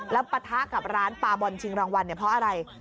แล้วปะทะกับร้านปาบอลชิงรางวัลเนี่ยเพราะอะไร